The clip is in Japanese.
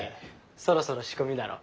そろそろ仕込みだろ。